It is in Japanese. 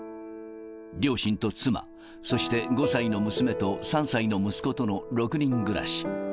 両親と妻、そして５歳の娘と３歳の息子との６人暮らし。